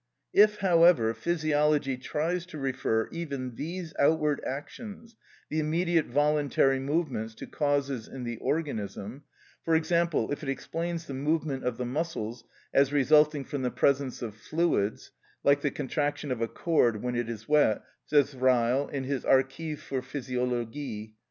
If, however, physiology tries to refer even these outward actions, the immediate voluntary movements, to causes in the organism,—for example, if it explains the movement of the muscles as resulting from the presence of fluids ("like the contraction of a cord when it is wet," says Reil in his "Archiv für Physiologie," vol. vi.